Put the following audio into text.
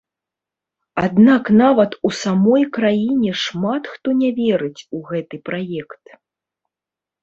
Аднак нават у самой краіне шмат хто не верыць у гэты праект.